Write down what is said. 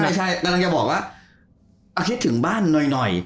กำลังจะบอกว่าเอาคิดถึงบ้านหน่อย